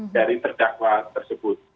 dari terdakwa tersebut